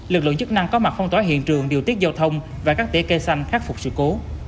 lực lượng chức năng có mặt phong tỏa hiện trường điều tiết giao thông và các tỉa cây xanh khắc phục sự cố